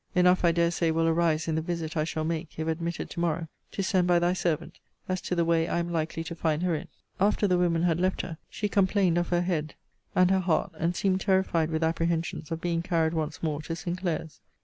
Enough, I dare say, will arise in the visit I shall make, if admitted to morrow, to send by thy servant, as to the way I am likely to find her in. After the women had left her, she complained of her head and her heart; and seemed terrified with apprehensions of being carried once more to Sinclair's.